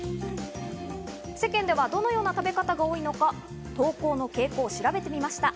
世間ではどのような食べ方が多いのか、投稿の傾向を調べてみました。